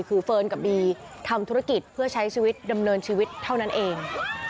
คือเฟิร์นกับบีทำธุรกิจเพื่อใช้ชีวิตดำเนินชีวิตเท่านั้นเอง